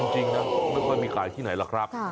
จริงนะไม่ค่อยมีขายที่ไหนหรอกครับ